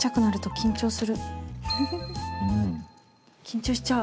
緊張しちゃう。